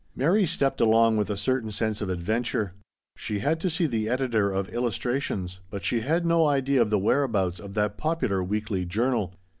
Mary stepped along with a certain sense of adventure. She had to see the editor of IllustraUonSy but she had no idea of the whereabouts of that popular weekly journal.